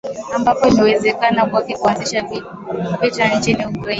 ambapo imewezekana kwake kuanzisha vita nchini Ukraine